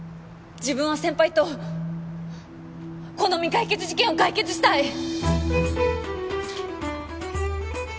自分は先輩とこの未解決事件を解決したい！